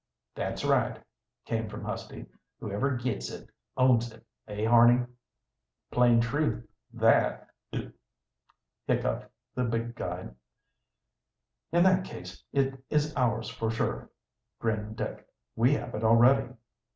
"That's right," came from Husty. "Whoever gits it, owns it. Eh, Harney?" "Plain truth, that is," hiccoughed the big guide. "In that case, it is ours for sure," grinned Dick. "We have it already."